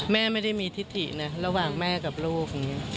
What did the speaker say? แม่ไม่ได้มีทิศธินะระหว่างแม่กับลูกอย่างนี้